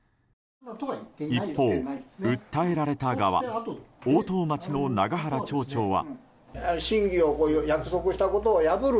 一方、訴えられた側大任町の永原町長は。